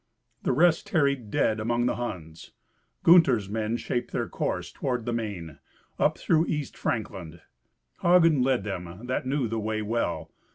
The rest tarried dead among the Huns. Gunther's men shaped their course toward the Main, up through East Frankland. Hagen led them, that knew the way well.